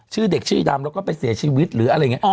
ชื่อดำแล้วก็ไปเสียชีวิตหรืออะไรไง